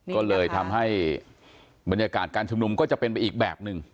ก็เลยทำให้บรรยากาศการชุมนุมก็จะเป็นไปอีกแบบหนึ่ง